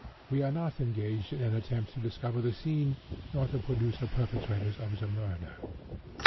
We are not engaged in an attempt to discover the scene, but to produce the perpetrators of the murder.